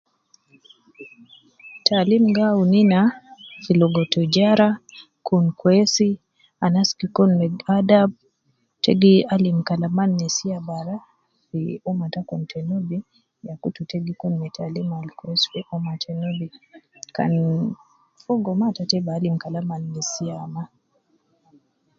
Taalim gi awun ina fi ligo tujara, kun kwesi, anas gi kun me adab, te gi alim kalama nesiya bara fi ummah takum ta nubi ya kutu ta gi kun ma taalim fi ummah te nubi, kan fogo ma ata ta bi alim kalam al nesiya mma.